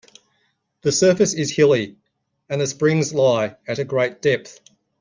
The surface is hilly, and the springs lie at a great depth.